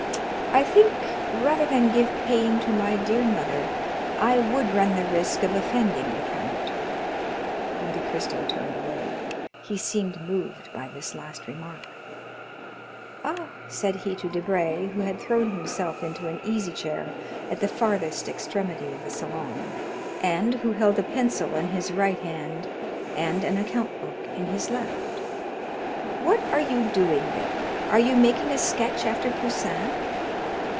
I think, rather than give pain to my dear mother, I would run the risk of offending the count." Monte Cristo turned away; he seemed moved by this last remark. "Ah," said he to Debray, who had thrown himself into an easy chair at the farthest extremity of the salon, and who held a pencil in his right hand and an account book in his left, "what are you doing there? Are you making a sketch after Poussin?"